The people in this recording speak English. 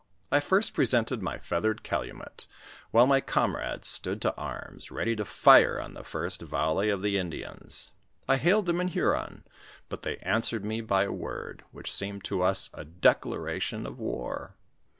I first presented my feathered calumet, while my comrades stood to arms, ready to fire on the first volley of the Indians. I hailed them in Huron, but they answered me by a word, which seemed to us a declara tion of war.